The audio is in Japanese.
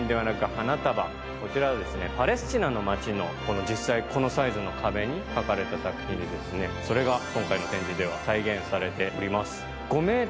こちらパレスチナの町の実際このサイズの壁に描かれた作品でそれが今回の展示では再現されております。